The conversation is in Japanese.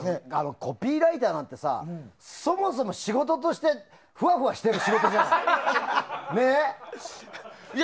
コピーライターなんてさそもそも仕事としてフワフワしてる仕事じゃない。